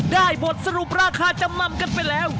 บทสรุปราคาจำนำกันไปแล้ว